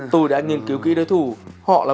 tôi đã nghiên cứu kỹ đối thủ họ là